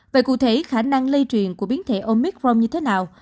vậy cụ thể khả năng lây truyền của biến thể omicron như thế nào